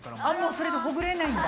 それでほぐれないんだ。